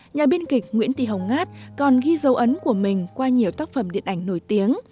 nhà biên kịch nguyễn tị hồng ngát còn ghi dấu ấn của mình qua nhiều tác phẩm điện ảnh nổi tiếng